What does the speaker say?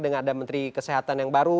dengan ada menteri kesehatan yang baru